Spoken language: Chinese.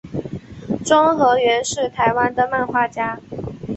庄河源是台湾的漫画家。